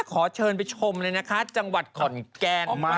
ขอเชิญไปชมเลยนะคะจังหวัดขอนแกนมา